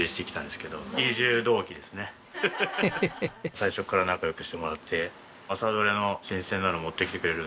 最初から仲良くしてもらって朝採れの新鮮なの持ってきてくれるんで。